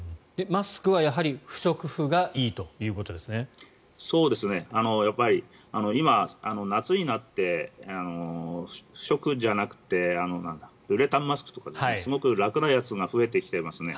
マスクはやはり不織布が今、夏になって不織布じゃなくてウレタンマスクとかすごく楽なやつが増えてきていますね。